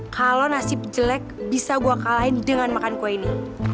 kalau nasib jelek bisa gue kalahin dengan makan kue ini